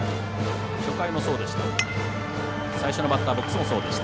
初回もそうでした。